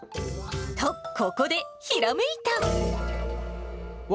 と、ここで、ひらめいた。